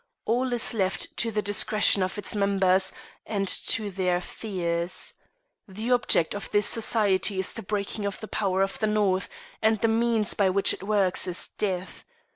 All is left to the discretion of its members, and to their fears. The object of this society is the breaking of the power of the North, and the means by which it works is death.